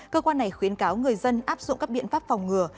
cơ quan này khuyến cáo người dân áp dụng các biện pháp phòng ngừa